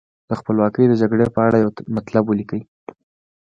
د خپلواکۍ د جګړې په اړه یو مطلب ولیکئ.